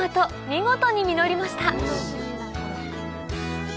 見事に実りました